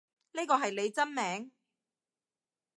呢個係你真名？